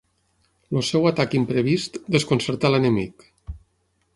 El seu atac imprevist desconcertà l'enemic.